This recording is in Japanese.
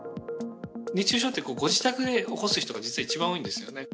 熱中症って、ご自宅でおこす人が実際多いんですよね。